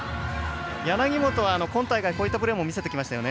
柳本は今大会こういったプレーも見せてきましたよね。